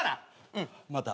うんまた。